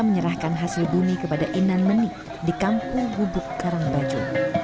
menyerahkan hasil bumi kepada inan menik di kampung gubuk karang baju